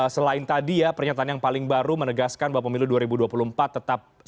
selain tadi ya pernyataan yang paling baru menegaskan bahwa pemilu dua ribu dua puluh empat tetap